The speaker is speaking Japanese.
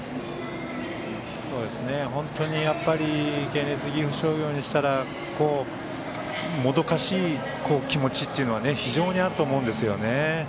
本当に県立岐阜商業としたらもどかしい気持ちというのは非常にあると思うんですよね。